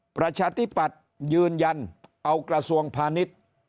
ประชาธิปัตย์ยืนยันเอากระทรวงพาณิชย์